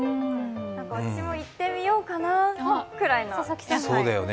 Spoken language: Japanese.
私もいってみようかなくらいの。